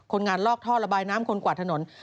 คนงานลอกท่อระบายน้ำคนกวาดถนน